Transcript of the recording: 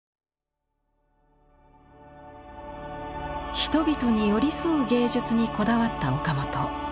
人々に寄り添う芸術にこだわった岡本。